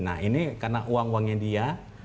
nah ini karena uang uangnya dia